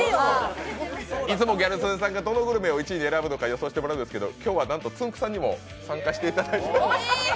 いつもギャル曽根さんが、どのグルメを１位に選ぶのか予想してもらうんですけど、今日はなんと、つんく♂さんにも参加していただいて。